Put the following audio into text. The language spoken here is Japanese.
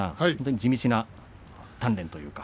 地道な鍛錬というか。